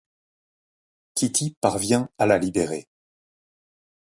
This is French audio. Kitty parvient à la libérer.